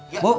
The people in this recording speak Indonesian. ya mbak abe